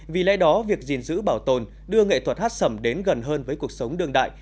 vì lẽ đó việc gìn giữ bảo tồn đưa nghệ thuật hát sầm đến gần hơn với cuộc sống đương đại